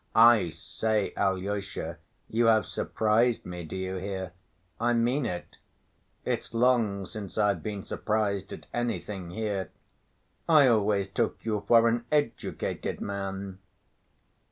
I say, Alyosha, you have surprised me, do you hear? I mean it. It's long since I've been surprised at anything here. I always took you for an educated man...."